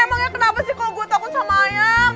emang ya kenapa sih kalo gue takut sama ayam